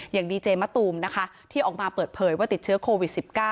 อย่างดีเจมะตูมนะคะที่ออกมาเปิดเผยว่าติดเชื้อโควิด๑๙